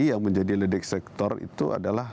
yang menjadi ledek sektor itu adalah